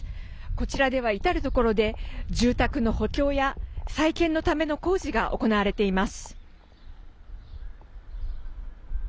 こちらでは至る所で住宅の補強や再建のための工事が行われています。